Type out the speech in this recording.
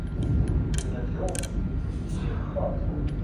Біля його і їх хата.